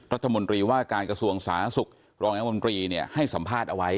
รัฐมนตรีว่าการกระทรวงสาธารณสุขรองรัฐมนตรีเนี่ยให้สัมภาษณ์เอาไว้